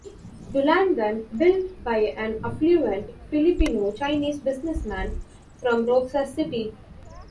Dulangan, built by an affluent Filipino-Chinese businessman from Roxas City.